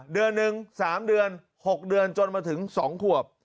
เดือนหนึ่งสามเดือนหกเดือนจนมาถึงสองควบ